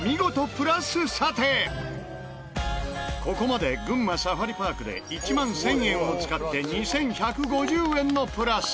ここまで群馬サファリパークで１万１０００円を使って２１５０円のプラス。